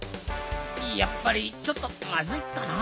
やっぱりちょっとまずいかな。